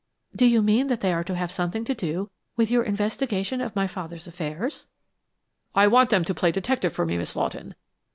Do you mean that they are to have something to do with your investigation into my father's affairs?" "I want them to play detective for me, Miss Lawton.